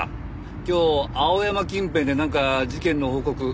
今日青山近辺でなんか事件の報告あがってないか？